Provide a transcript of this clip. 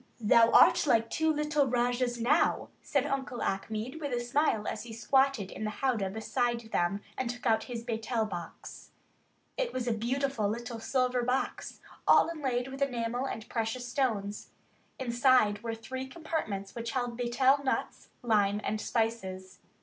"Thou art like two little Rajahs now," said Uncle Achmed, with a smile as he squatted in the howdah beside them and took out his "betel" box. It was a beautiful little silver box, all inlaid with enamel and precious stones. Inside were three compartments which held betel nuts, lime, and spices.